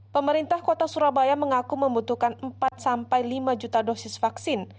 pemerintah kota surabaya mengaku membutuhkan empat sampai lima juta dosis vaksin